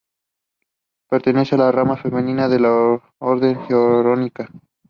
Pertenece a la rama femenina de la orden jerónima.